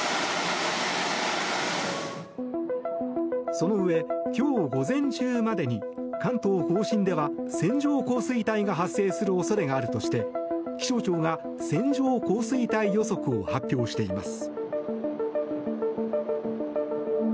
そのうえ、今日午前中までに関東・甲信では線状降水帯が発生する恐れがあるとして気象庁が線状降水帯予測を発表しています。